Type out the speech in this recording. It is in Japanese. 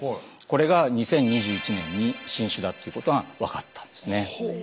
これが２０２１年に新種だっていうことが分かったんですね。